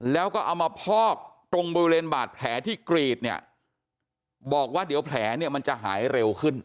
แล้วก็เอามาพอกตรงบริเวณบาดแผลที่กรีดเนี่ยบอกว่าเดี๋ยวแผลเนี่ยมันจะหายเร็วขึ้น